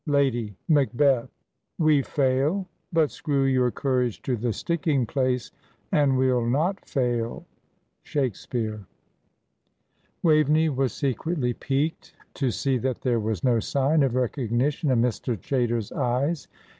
LADY MACBETH. "We fail! But screw your courage to the sticking place, And we'll not fail." SHAKESPEARE. Waveney was secretly piqued to see that there was no sign of recognition in Mr. Chaytor's eyes.